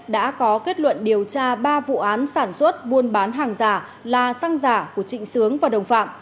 đã có kết luận điều tra ba vụ án sản xuất buôn bán hàng giả là xăng giả của trịnh sướng và đồng phạm